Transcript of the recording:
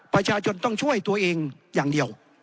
ประชาชนต้องช่วยตัวเองอย่างเดียว